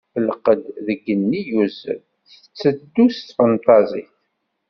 Lqedd deg yigenni yuzzel, tetteddu s tfenṭazit.